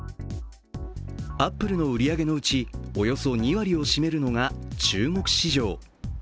アップルの売り上げのうちおよそ２割を占めるのが中国市場。